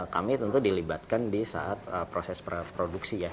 kami tentu dilibatkan di saat proses produksi ya